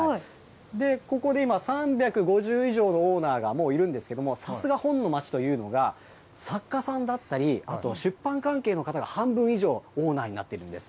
ここで今、３５０以上のオーナーがいるんですが、さすが本の町というのが、作家さんだったり、あとは出版関係の方が半分以上、オーナーになってるんです。